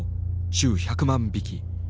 週１００万匹。